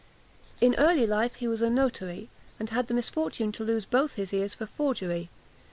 In early life he was a notary, and had the misfortune to lose both his ears for forgery.